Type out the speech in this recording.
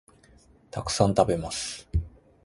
たくさん、食べます